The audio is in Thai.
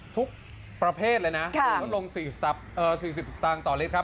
ทุกประเภทเลยนะลดลง๔๐สตางค์ต่อลิตรครับ